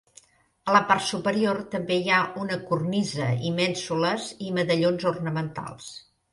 A la part superior també hi ha una cornisa i mènsules i medallons ornamentals.